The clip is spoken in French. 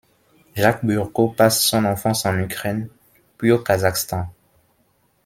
Jacques Burko passe son enfance en Ukraine puis au Kazakhstan.